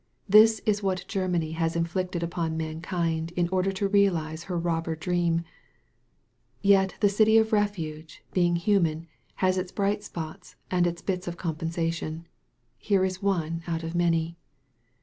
This is what Germany has inflicted upon mankind in or der to realize her robber dream ! Yet the City of Refuge, being human, has its bright spots and its bits of compensation. Here is one, out of many.